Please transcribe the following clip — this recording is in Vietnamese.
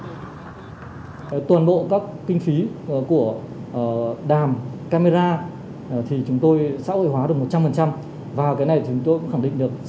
toàn bộ các kinh phí của đàm camera thì chúng tôi xã hội hóa được một trăm linh và cái này chúng tôi cũng khẳng định được